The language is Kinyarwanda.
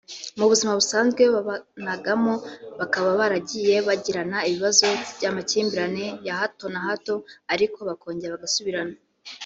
Mu buzima busanzwe babanagamo bakaba baragiye bagirana ibibazo by’amakimbirane ya hato na hato ariko bakongera bagasubirana